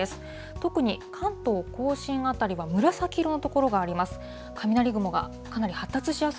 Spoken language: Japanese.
特に関東甲信辺りが紫色の所があります。